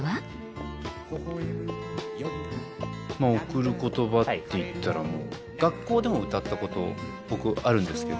「贈る言葉」っていったら学校でも歌ったこと僕あるんですけど。